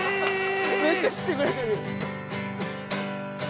めっちゃ知ってくれてる。